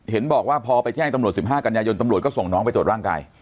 เห็นบอกว่าพอไปแจ้งตำโหลดสิบห้ากัณญายนตำโหลดก็ส่งน้องไปโดดร่างกาย